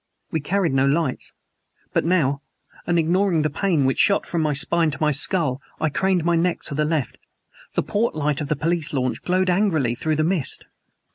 We carried no lights; but now and ignoring the pain which shot from my spine to my skull I craned my neck to the left the port light of the police launch glowed angrily through the mist.